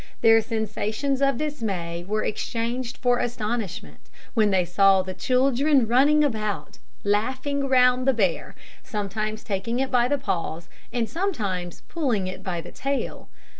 Their sensations of dismay were exchanged for astonishment, when they saw the children running about, laughing, round the bear, sometimes taking it by the paws, and sometimes pulling it by the tail.